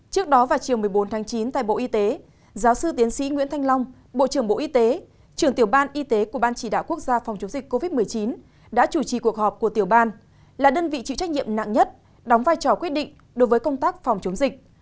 trước đó vào chiều một mươi bốn tháng chín tại bộ y tế giáo sư tiến sĩ nguyễn thanh long bộ trưởng bộ y tế trưởng tiểu ban y tế của ban chỉ đạo quốc gia phòng chống dịch covid một mươi chín đã chủ trì cuộc họp của tiểu ban là đơn vị chịu trách nhiệm nặng nhất đóng vai trò quyết định đối với công tác phòng chống dịch